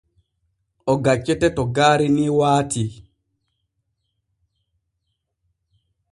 O gaccete to gaari ni waati.